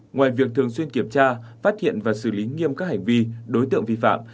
ngoài việc thường xuyên kiểm tra phát hiện và xử lý nghiêm các hành vi đối tượng vi phạm